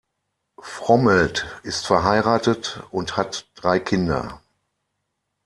Frommelt ist verheiratet und hat drei Kinder.